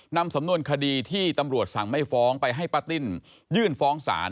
นำสำนวนคดีที่ตำรวจสั่งไม่ฟ้องไปให้ป้าติ้นยื่นฟ้องศาล